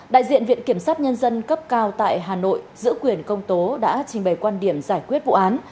đại diện viện kiểm sát nhân dân cấp cao tại hà nội giữ quyền công tố đã trình bày quan điểm giải quyết vụ án